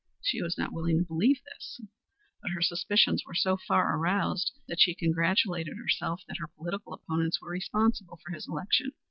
She was not willing to believe this; but her suspicions were so far aroused that she congratulated herself that her political opponents were responsible for his election.